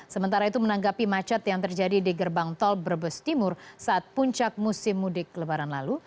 sementara itu menanggapi macet yang terjadi di gerbang tol brebes timur saat puncak musim mudik lebaran lalu